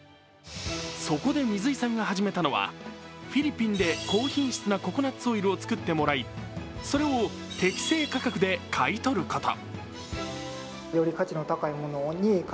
そこで水井さんが始めたのはフィリピンで高品質なココナッツオイルを作ってもらいそれを適正価格で買い取ること。